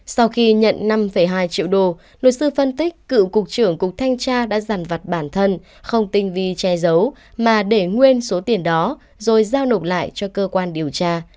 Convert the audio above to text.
sau khi nhận năm hai triệu đô luật sư phân tích cựu cục trưởng cục thanh tra đã giàn vặt bản thân không tinh vi che giấu mà để nguyên số tiền đó rồi giao nộp lại cho cơ quan điều tra